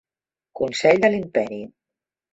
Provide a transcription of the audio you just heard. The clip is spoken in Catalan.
Consell de l'imperi.